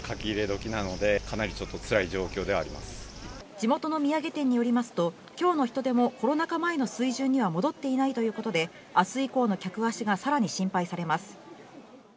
地元の土産店によりますと、今日の人出もコロナ禍前の水準には戻っていないということで、明日以降の客足が更に心配されます。